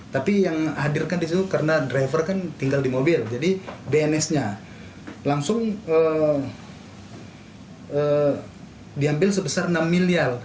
tapi yang hadirkan di situ karena driver kan tinggal di mobil jadi bns nya langsung diambil sebesar enam miliar